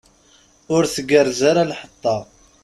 Ur tgerrez ara lḥeṭṭa.